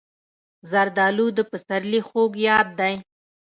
زردالو د پسرلي خوږ یاد دی.